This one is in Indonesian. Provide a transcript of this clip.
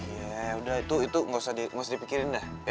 iya udah itu gak usah dipikirin dah